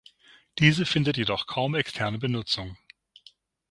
Diese findet jedoch kaum externe Benutzung.